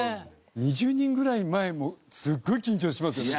２０人ぐらいの前もすごい緊張しますよね。